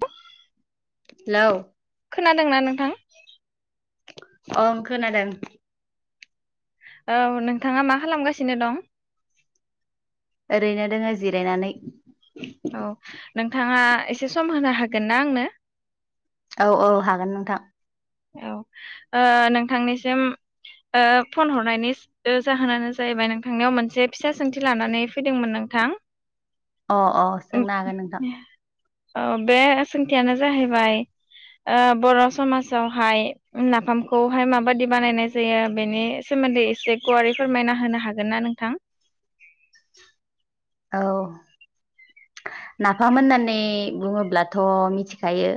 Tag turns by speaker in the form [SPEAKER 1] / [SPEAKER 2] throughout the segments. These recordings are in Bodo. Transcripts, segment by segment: [SPEAKER 1] बा
[SPEAKER 2] हेलौ
[SPEAKER 1] खोनादोंना नोंथां
[SPEAKER 2] अं खोनादों
[SPEAKER 1] औ नोंथाङा मा खालामगासिनो दं।
[SPEAKER 2] ओरैनो दोंङो जिरायनानै
[SPEAKER 1] औ नोंथाङा एसे सम होनो हागोन ना आंनो?
[SPEAKER 2] औ औ हागोन नोंथां
[SPEAKER 1] औ ओ नोंथांनिसिम ओ फन हरनायनि ओ जाहोनानो जाहैबाय नोंथांनियाव मोनसे फिसा सोंथि लानानै फैदोंमोन नोंथां
[SPEAKER 2] अ अ सोंनो हागोन नोंथां।
[SPEAKER 1] औ बे सोंथियानो जाहैबाय ओ बर'समाज हाय नाफामखौहाय माबायदि बानायनाय जायो बेनि सोमोन्दै एसे गुवारै फोरमायना होनो हागोन ना नोंथां?
[SPEAKER 2] औ, नाफाम होननानै बुङोब्लाथ मिथिखायो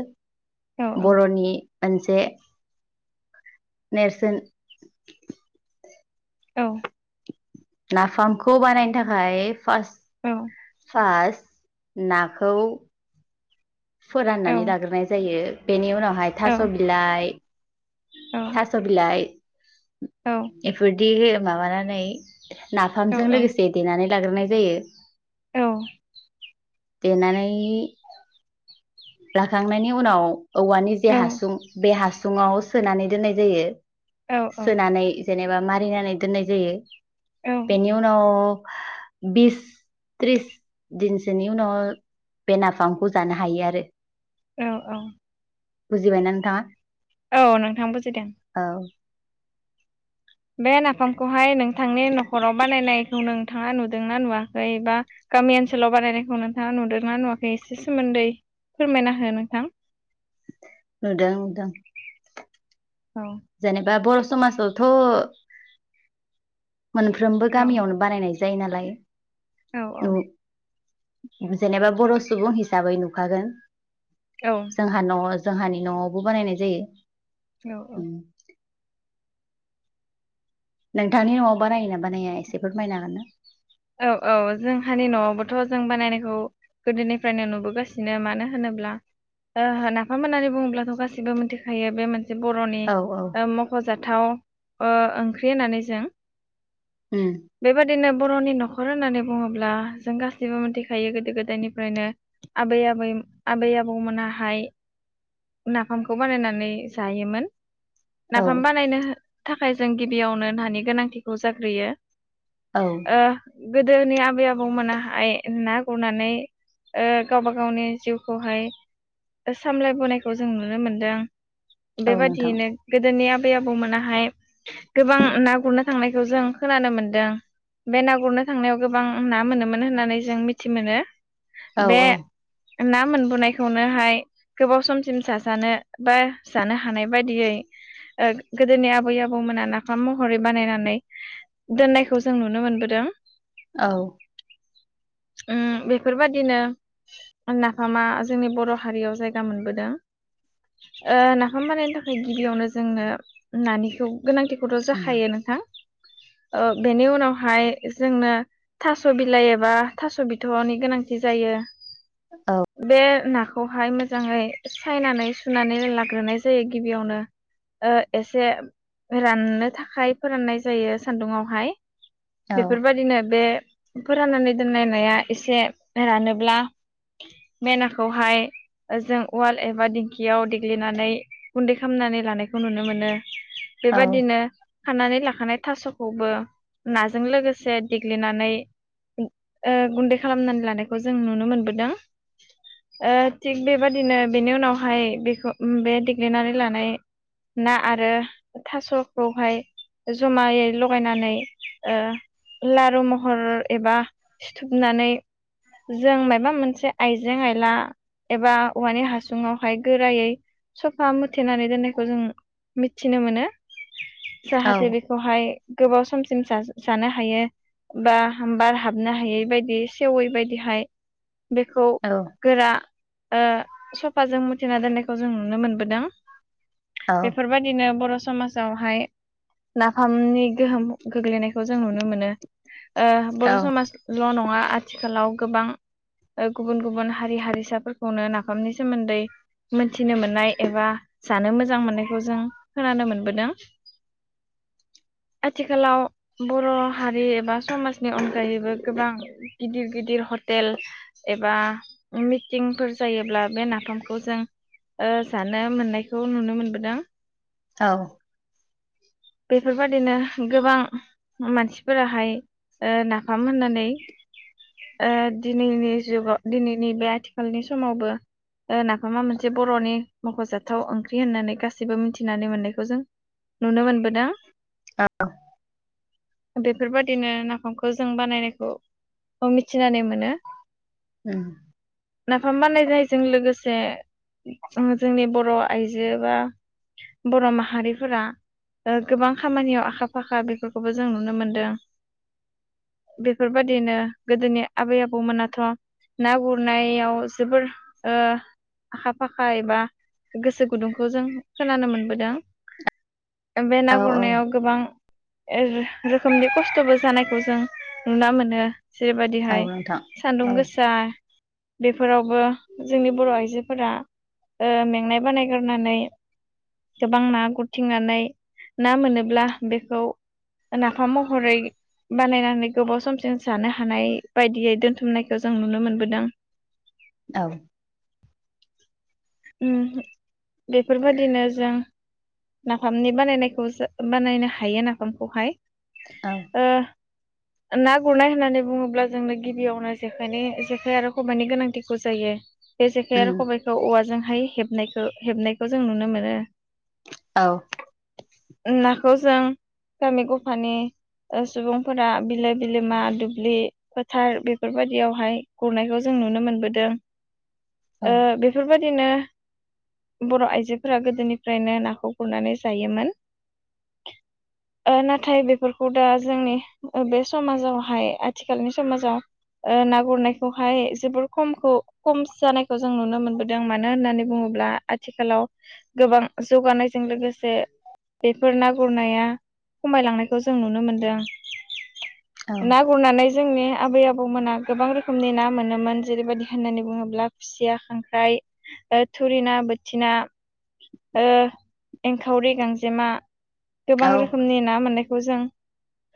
[SPEAKER 1] औ औ
[SPEAKER 2] बर'नि मोनसे नेरसोन।
[SPEAKER 1] औ
[SPEAKER 2] नाफामखौ बानायनो थाखाय फार्स्ट
[SPEAKER 1] औ
[SPEAKER 2] नाखौ
[SPEAKER 1] औ
[SPEAKER 2] फोराननानै लाग्रोनाय जायो। बेनि उनाव हाय
[SPEAKER 1] औ
[SPEAKER 2] थास' बिलाइ
[SPEAKER 1] औ
[SPEAKER 2] थास बिलाइ एफोरबादि माबानानै नाफामजों
[SPEAKER 1] औ
[SPEAKER 2] लोगोसे देनानै लाग्रोनाय जायो।
[SPEAKER 1] औ
[SPEAKER 2] देनानै लाखांनायनि उनाव औवानि जे
[SPEAKER 1] औ
[SPEAKER 2] हासुं बे हा सुङाव सोनानै दोननाय जायो।
[SPEAKER 1] औ
[SPEAKER 2] सोनानै जेनेबा मारिनानै दोननाय जायो।
[SPEAKER 1] औ
[SPEAKER 2] बेनि उनाव बिस त्रिस दिनसोनि उनाव बे नाफामखौ जानो हायो आरो।
[SPEAKER 1] औ औ।
[SPEAKER 2] बुजिबाय ना नोंथाङा?
[SPEAKER 1] औ नोंथां बुजिदों।
[SPEAKER 2] औ
[SPEAKER 1] बे नाफामखौहाय नोंथांनि न'खराव बानायनायखौ नोंथाङा नुदोंना नुवाखै? बा गामि ओनसोलाव बानायनायखौ नोंथाङा नुदोंना नुवाखै एसे सोमोन्दै फोरमायना हो नोंथां।
[SPEAKER 2] नुदों नुदों।
[SPEAKER 1] औ
[SPEAKER 2] जेनेबा बर समाजावथ मोनफ्रोमबो गामियावनो बानायनाय जायो नालाय।
[SPEAKER 1] औ औ
[SPEAKER 2] जेनेबा बर' सुबुं हिसाबै नुखागोन
[SPEAKER 1] औ
[SPEAKER 2] जोंहा न' जोंहानि न आवबो बानायनाय जायो
[SPEAKER 1] औ औ।
[SPEAKER 2] नोंथांनि न आव बानायोना बानाया एसे फोरमायनो हागोन ना?
[SPEAKER 1] औ औ जोंहानि न' आवबोथ' जों बानायनायखौ गोदोनिफ्रायनो नुबोगासिनो मानो होनोब्ला नाफाम होननानै बुङोब्लाथ' गासिबो मिथिखायो बे मोनसे बरनि
[SPEAKER 2] औ औ
[SPEAKER 1] ओ मखजाथाव ओ ओंख्रि होनानै जों
[SPEAKER 2] उम
[SPEAKER 1] बेबादिनो बर' नि न' नखर होननानै बुङोब्ला जों गासैबो मिथिखायो गोदो गोदायनिफ्रायनो आबै आबै आबै आबौमोनाहाय नाफामखौ बानायनानै जायोमोन।
[SPEAKER 2] औ
[SPEAKER 1] नाफाम बानायनो थाखाय जों गिबियावनो नानि गोनांथिखौ जाग्रोयो
[SPEAKER 2] औ
[SPEAKER 1] ओ गोदोनि आबै आबौमोनाहाय ना गुरनानै ओ गावबा गावनि जिउखौहाय सामलायबोनायखौ जों नुनो मोनदों।
[SPEAKER 2] औ नोंथां
[SPEAKER 1] बेबादियैनो गोदोनिया बै आबौमोनाहाय गोबां ना गुरनो थांनायखौ जों खोनानो मोनदों। बे ना गुरनो थांनायाव गोबां ना मोनोमोन होननानै जों मिथि मोनो।
[SPEAKER 2] औ
[SPEAKER 1] बे
[SPEAKER 2] औ।
[SPEAKER 1] ना मोनबोनायखौनोहाय गोबाव समसिम साजानो बा जानो हानाय बायदियै गोदोनि आबै आबौमोना नाफाम महरै बानायनानै दोननायखौ जों नुनो मोनबोदों।
[SPEAKER 2] औ
[SPEAKER 1] उम बेफोरबादिनो नाफामा जोंनि बर' हारियाव जायगा मोनबोदों। ओ नाफाम बानायनो थाखाय गिबियावनो जोंनो नानिखौ गोनांथिखौथ
[SPEAKER 2] उम
[SPEAKER 1] जाखायो नोंथां ओ बेनि उनावहाय जोंनो थास बिलाइ एबा थास बिथ नि गोनांथि जायो
[SPEAKER 2] औ
[SPEAKER 1] बे नाखौहाय मोजाङै सायनानै सुनानै लाग्रोनाय जायो गिबियावनो ओ एसे राननो थाखाय फोराननाय जायो सान्दुङावहाय।
[SPEAKER 2] औ
[SPEAKER 1] बेफोरबायदिनो बे फोराननानै दोनलायनाया एसे रानोब्ला मायनाखौहाय जों उवाल एबा दिंखियाव देग्लिनानै गुन्दै खालामनानै लानायखौ नुनो मोनो।
[SPEAKER 2] औ
[SPEAKER 1] बेबायादिनो खानानै लाखानाय थास खौबो नाजों लोगोसे से देग्लिनानै गुन्दै खालामनानै लानायखौ जों नुनो मोनबोदों थिग बेबादिनो बेनि उनावहाय बेखौ बे देग्लिनानै लानाय ना आरो थास खौहाय जमायै लगायनानै लारु महर एबा सिथुबनानै जों माबा मोनसे आइजें आयला एबा औवानि हासुुंवहाय गोरायै सफा मुथेनानै दोननायखौ जों मिथिनो मोनो।
[SPEAKER 2] औ
[SPEAKER 1] जाहाथे बेखौहाय गोबाव समसिम सा-सानो ह ह बा बार हाबनो हायै बायदि सेवै बायदिहाय बेखौ
[SPEAKER 2] औ
[SPEAKER 1] गोरा ओ सफाजों मुथिना दोननायखौ जों नुनो मोनबोदों बेफोर बायदिनो बर' समाजावहाय नाफामनि गोहोम गोग्लैनायखौ जों नुनो मोनो ओ बर
[SPEAKER 2] औ
[SPEAKER 1] समाज ल नङा आथिखालाव गोबां गुबुन गुबुन हारि हारिसाफोरखौनो नाफामनि सोमोन्दै मोनथिनो मोननाय एबा जानो मोजां मोननायखौ जों खोनानो मोनबोदों आथिखालाव बर' हारि एबा समाजनि अनगायैबो गोबां गिदिर गिदिर हटेल एबा मिटिंफोर जायोब्ला बे नाफामखौ जों ओ जानो मोननायखौ नुनो मोनबोदों।
[SPEAKER 2] औ
[SPEAKER 1] बेफोर बादिनो गोबां मानसि फोराहाय ओ नाफाम होननानै ओ दिनैनि जुगाव दिनैनि बे आथिखालनि समावबो नाफामा मोनसे बर'नि मखजाथाव ओंख्रि होननानै गासिबो मिथिनानै मोननायखौ जों नुनो मोनबो दा बेफोरबादिनो नाफामखौ जों बानायनायखौ मिथिनानै मोनो
[SPEAKER 2] ओं
[SPEAKER 1] नाफाम बानायनायजों लोगोसे जोंनि बर आइजो बा बर माहारिफोरा ओ गोबां खामानियाव आखा फाखा बेफोरखौबो जों नुनो मोनो दों बेफोरबादिनो गोदोनि आबै आबौमोनाथ ना गुरनायाव जोबोर ओ आखा फाखा एबा गोसो गुदुंखौ जों खोनानो मोनबोदों बे ना
[SPEAKER 2] औ
[SPEAKER 1] गुरनायाव गोबां ए रोखोमनि खस्थबो जानायखौ जों नुना मोनो
[SPEAKER 2] औ
[SPEAKER 1] जेरैबायाददिहाय
[SPEAKER 2] नोंथां औ औ
[SPEAKER 1] सान्दुं गोसा बेफोरावबो जोंनि बर' आइजोफोरा ओ मेंनाय बानायगारनानै गोबां ना गुरथिंनानै ना मोनोब्ला बेखौ ना फाम महरै बानायनानै गोबाव समसिम जानो हानाय बायदियै दोनथुमनायखौ जों नुनो मोनबोदों।
[SPEAKER 2] औ
[SPEAKER 1] [inaudible] उम बेफोरबायदिनो जों नाफामनि बानायनायखौ जो बानायनो हायो नाफामखौहाय।
[SPEAKER 2] उम औ
[SPEAKER 1] ओ ना गुरनाय होननानै बुङोब्ला जोंनो गिबियावनो जेखायनि जेखाइ आरो खबायनि गोनांथिखौ जायो। बे जेखाइ आरो खबाइखौ औवाजों। हाय हेबनायखौ हेबनायखौ जों नुनो मोनो ओम ना। खौ जों गामि गफ नि सुबुंफोरा बिलो बिलोमा दुब्लि फोथार बेफोरबायदियावहाय गुरनायखौ जों नुनो मोनबोदों। ओ बेफोरबाद दिनो बर' आइजोफोरा गोदोनिफ्रायनो नाखौ गुरनानै जायोमोन ओ ना नाथाय बेफोरखौ दा जोंनि बे समाजावहाय आथिखालनि समाजाव ना ओ गुरनायखौहाय जोबोर खमखौ खम जानायखौ जों नुनो मोनबोदों मानो होननानै बुङोब्ला आथिखालाव गोबां जौगानायजों लोगोसे बेफोर ना गुरनाया। खमायलांनायखौ जों नुनो मोनदों
[SPEAKER 2] औ
[SPEAKER 1] ना गुरनानै जोंनि आबै आबौमोना गोबां रोखोमनि ना मोनोमोन जेरैबायाददि होननानै बुङोब्ला खुसिया खांख्राइ ओ थुरिना बोथिना। ओ एंखावरि गांजेमा गोबां रोखोमनि ना मोननाय खौ जों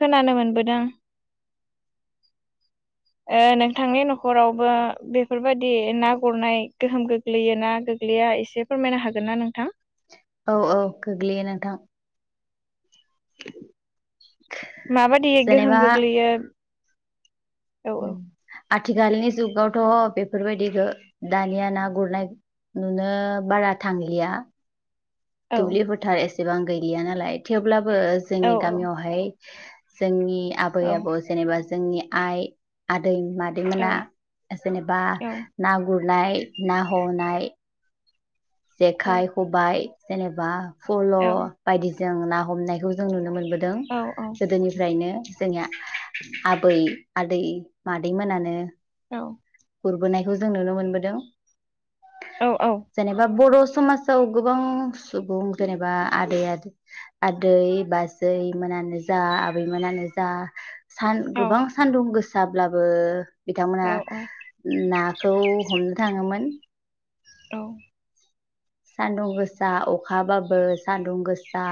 [SPEAKER 1] खोनानो मोनबोदों ओ नोंथांनि नख'रावबो बेफोरबायदि ना गुरनाय गोहोम गोग्लैयोना गोग्लैया एसे फोरमायनो हागोन ना नों थां
[SPEAKER 2] औ औ गोग्लैयो नोंथां। [inaudible]
[SPEAKER 1] माबादि गोहोम
[SPEAKER 2] जेनेबा
[SPEAKER 1] गोग्लैयो। औ औ
[SPEAKER 2] उम आथिखालनि जुगावथ' बेफोरबायदिखो दानिया ना गुरनाय नुनो बारा थांलिया।
[SPEAKER 1] औ
[SPEAKER 2] दुब्लि फोथार एस सेबां गैलिया नालाय थेवब्लाब बो
[SPEAKER 1] औ
[SPEAKER 2] जोंनि गामियावहाय जोंनि आबै आबौ जेनेबा जोंनि आइ आदै।
[SPEAKER 1] औ
[SPEAKER 2] मादैमोना जेनेबा
[SPEAKER 1] औ
[SPEAKER 2] ना गुरनाय ना हनाय
[SPEAKER 1] औ
[SPEAKER 2] जेखाय खबाय जेनेबा फल
[SPEAKER 1] औ
[SPEAKER 2] बायदि जों ना हमनायखौ जों नुनो मोनबोद दों
[SPEAKER 1] औ
[SPEAKER 2] गोदोनिफ्रायनो जोंनिया [inaudible] आबै आदै मादै मोनानो
[SPEAKER 1] औ।
[SPEAKER 2] गुरबोनायखौ जों नुनो मोनबोदों।
[SPEAKER 1] औ औ
[SPEAKER 2] जेनेबा बर' समाजाव गोबां सुबुं जेनेबा आदै आदै आदै बाजैमोनानो जा आबैमोनानो जा सान गोबां सान दुंगोस जाब्लाबो। बिथांमोना नाखौ हमनो थाङोमोन।
[SPEAKER 1] औ
[SPEAKER 2] सान्दुं गोसा अखाबाबो सान्दुं गोसा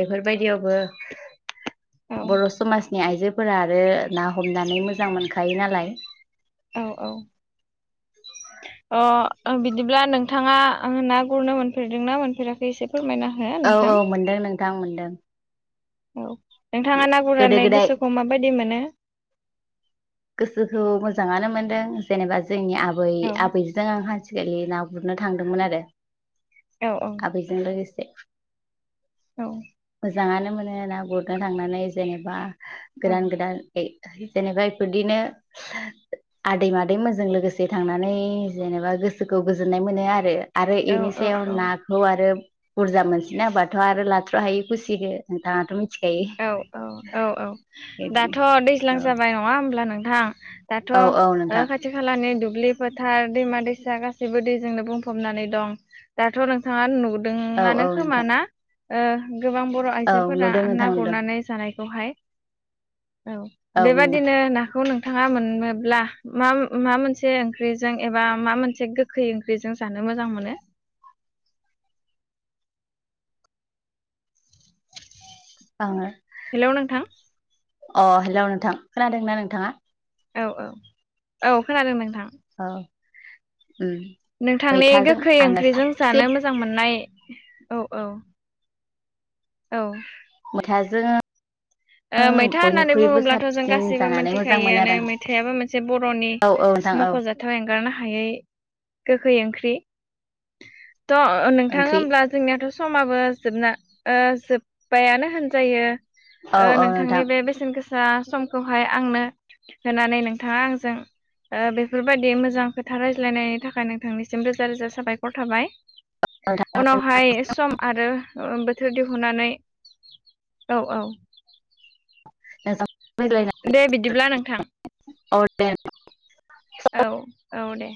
[SPEAKER 2] बेफोरबायदियावबो
[SPEAKER 1] औ
[SPEAKER 2] बर' समाजनि आइजो फोरा आरो ना हमनानै मोजां मोनखायो नालाय।
[SPEAKER 1] औ औ अ बिदिब्ला नोंथाङा ना गुरनो मोनफेरदोंना मोनफेराखै एसे फोरमायना हो नोंथां।
[SPEAKER 2] जां मोनदों
[SPEAKER 1] औ नोंथाङा ना
[SPEAKER 2] गोदो
[SPEAKER 1] गुरनानै
[SPEAKER 2] गोदाय
[SPEAKER 1] गोसोखौ माबायदि मोनो
[SPEAKER 2] गोसोखौ मोजाङानो मोनदों जेनेबा जोंनि आब आबै
[SPEAKER 1] औ
[SPEAKER 2] आबैजों द आं हास [unintelligible] सिरि ना गुरनो थांदोंमोन आरो
[SPEAKER 1] औ औ
[SPEAKER 2] आबैजों लोगोसे
[SPEAKER 1] औ
[SPEAKER 2] मोजांङानो मोनो ना गुरनो थांनानै जेनेबा
[SPEAKER 1] औ
[SPEAKER 2] गोदान गोदान एइ जेनेबा इफोरदिनो आदै मादैमोनजों लोगोसे थांनानै जेनेबा गोसोखौ गोजोननाय मोनो आरो आरो
[SPEAKER 1] औ
[SPEAKER 2] इनिसायाव नाखौ आरो बुरजा मोनसैना हबाथ आरो लाथ्र हायि खुसिखो नोंथाङाथ
[SPEAKER 1] औ औ औ औ दाथ
[SPEAKER 2] बिदिनो
[SPEAKER 1] दैज्लां जाबाय नङा होमब्ला नों दा [unintelligible] दाथ
[SPEAKER 2] औ औ नोंथां
[SPEAKER 1] खाथि खालानि दुब दुब्लि फोथार दैमा दैसा गासैबो दैजोंनो बुंफबनानै दं दाथ नोंथाङा नु
[SPEAKER 2] औ औ
[SPEAKER 1] दोंआनो खोमा
[SPEAKER 2] नोंथां
[SPEAKER 1] ना ओ गोबां बर
[SPEAKER 2] औ
[SPEAKER 1] आइजोफोरा
[SPEAKER 2] नुदों
[SPEAKER 1] ना
[SPEAKER 2] नोंथां नुदों
[SPEAKER 1] गुरनानै जानायखौहाय औ
[SPEAKER 2] औ नुदों
[SPEAKER 1] बेबादिनो नाखौ नों नोंथाङा मोनोब्ला मा माबा मोनसे ओंख्रिजों एबा मा मोनसे गोखै ओंख्रिजों जानो मोजां मोनो
[SPEAKER 2] आंङो
[SPEAKER 1] हेलौ नोंथां
[SPEAKER 2] अ हेलौ नोंथां खोनादोंना नोंथाङा
[SPEAKER 1] औ औ औ खोनादों नोंथां
[SPEAKER 2] औ उम
[SPEAKER 1] नोंथांनि
[SPEAKER 2] मैथाजों
[SPEAKER 1] गोखै
[SPEAKER 2] आङो
[SPEAKER 1] ओंख्रिजों जानो
[SPEAKER 2] साबसिन
[SPEAKER 1] मोजां मोननाय औ औ औ
[SPEAKER 2] मोथाजों
[SPEAKER 1] मैथा होननानै बुङोब्लाथ जों
[SPEAKER 2] साबसिन
[SPEAKER 1] गासैबो
[SPEAKER 2] जानानै मोजां मोनो
[SPEAKER 1] मोनथिखायोआनो
[SPEAKER 2] आरो
[SPEAKER 1] मैथायाबो मोनसे बरनि
[SPEAKER 2] आं औ औ नोंथां औ
[SPEAKER 1] मखजाथाव एंगारनो हायि हायै गोखै ओंख्रि। थ नोंथाङा
[SPEAKER 2] ओंख्रि
[SPEAKER 1] होमब्ला जोंनियाथ' स समाबो जोबना ओ जोब्बायानो होनजायो।
[SPEAKER 2] औ
[SPEAKER 1] ओ
[SPEAKER 2] औ नोंथां
[SPEAKER 1] नोंथांनि बे बेसेन गोस दा समखौहाय आंनो होनानै नोंथाङा आंजों ओ बेफोरबायदि मोजां खोथा रायज्लायनायनि थाखाय नोंथांनिसिम रोजा रोजा साबायख खर थाबाय
[SPEAKER 2] नोंथां
[SPEAKER 1] उनावहाय सम आरो ओ बोथोर दिहुननानै औ औ
[SPEAKER 2] [unintelligible] रायज्लायना
[SPEAKER 1] दे बिदिब्ला नोंथां।
[SPEAKER 2] औ दे
[SPEAKER 1] औ औ दे